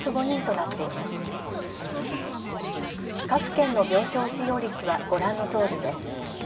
各県の病床使用率はご覧のとおりです。